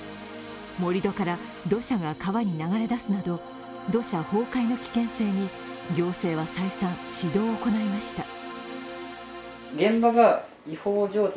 盛り土から土砂が川に流れ出すなど土砂崩壊の危険性に行政は再三、指導を行いました。